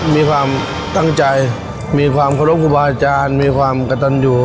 มีความตั้งใจมีความเคารพครูบาอาจารย์มีความกระตันอยู่